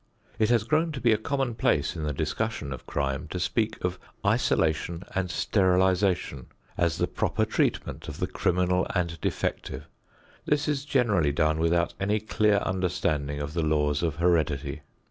It has grown to be a commonplace in the discussion of crime to speak of isolation and sterilization as the proper treatment of the criminal and defective. This is generally done without any clear understanding of the laws of heredity.